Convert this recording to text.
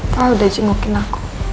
kalau udah jingukin aku